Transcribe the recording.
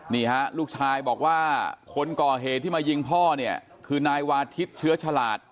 นี่ฮะลูกชายบอกว่าคนก่อเหตุที่มายิงพ่อเนี่ยคือนายวาทิศเชื้อฉลาด